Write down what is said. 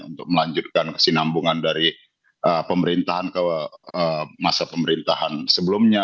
untuk melanjutkan kesinambungan dari pemerintahan ke masa pemerintahan sebelumnya